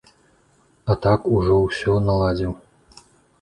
А так ужо ўсё наладзіў.